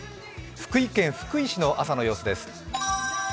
福井県福井市の朝の様子です。